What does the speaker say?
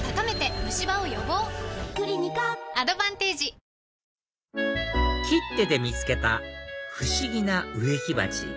ＫＩＴＴＥで見つけた不思議な植木鉢